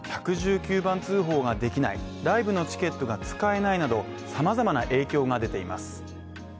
１１９番通報ができない、ライブのチケットが使えないなどさまざまな影響が出ています。